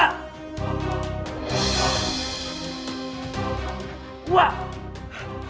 wak wak wak